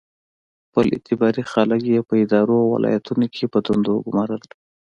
خپل اعتباري خلک یې په ادارو او ولایتونو کې په دندو وګومارل.